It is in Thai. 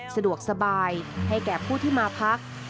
สะดวกสบายให้แก่ผู้ที่มาพัก